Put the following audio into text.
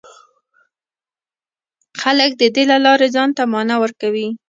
خلک د دې له لارې ځان ته مانا ورکوي.